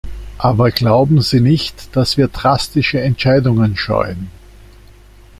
Aber glauben Sie nicht, dass wir drastische Entscheidungen scheuen.